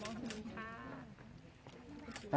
ขอบคุณก่อนค่ะ